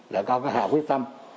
đã có cái hạ quyết tâm